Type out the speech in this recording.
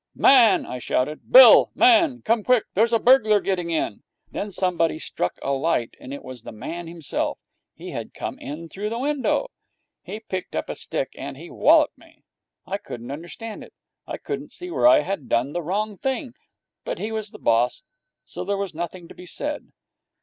'Man!' I shouted. 'Bill! Man! Come quick! Here's a burglar getting in!' Then somebody struck a light, and it was the man himself. He had come in through the window. He picked up a stick, and he walloped me. I couldn't understand it. I couldn't see where I had done the wrong thing. But he was the boss, so there was nothing to be said.